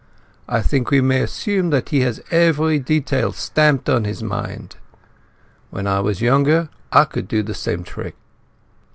I think we may assume that he has every detail stamped on his mind. When I was younger I could do the same trick."